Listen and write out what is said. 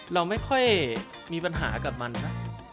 เราไม่ค่อยมีปัญหากับมันนะ